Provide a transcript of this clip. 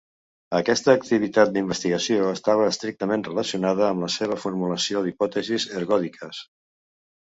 Aquesta activitat d'investigació estava estrictament relacionada amb la seva formulació d'hipòtesis ergòdiques.